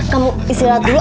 kamu istilah dulu